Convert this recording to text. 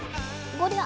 ゴリラ！